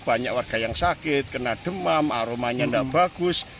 banyak warga yang sakit kena demam aromanya tidak bagus